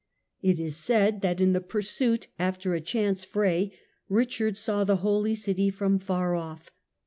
It is said that in the pursuit after a chance fray, Richard saw the Holy City from far off.